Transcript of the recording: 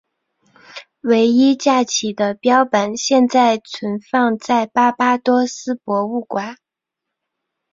唯一架起的标本现正存放在巴巴多斯博物馆。